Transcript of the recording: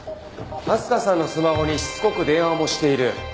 明日香さんのスマホにしつこく電話もしている。